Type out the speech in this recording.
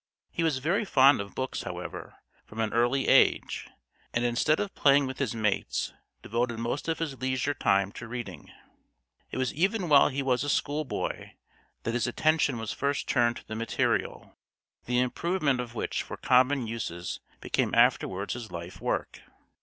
He was very fond of books, however, from an early age, and instead of playing with his mates, devoted most of his leisure time to reading. It was even while he was a schoolboy that his attention was first turned to the material, the improvement of which for common uses became afterwards his life work.